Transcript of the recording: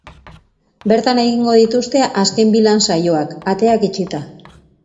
Bertan egingo dituzte azken bi lan saioak, ateak itxita.